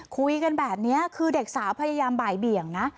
คุยกันแบบนี้คือเด็กสาวพยายามบ่ายเบี่ยงนะ